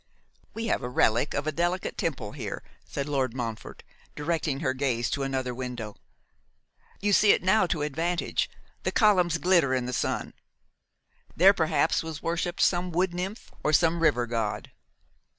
'We have a relic of a delicate temple here,' said Lord Montfort, directing her gaze to another window. 'You see it now to advantage; the columns glitter in the sun. There, perhaps, was worshipped some wood nymph, or some river god.